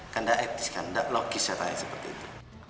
kan tidak etis kan tidak logis katanya seperti itu